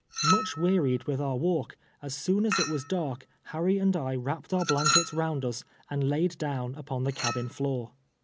Much wearied with our walk, as soon as it was dark, Harry and I wrapped our blankets round us, and laid down upon the cabin floor.